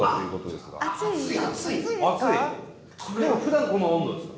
でもふだんこの温度ですか？